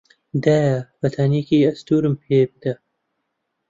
دایە، بەتانیێکی ئەستوورم پێ بدە.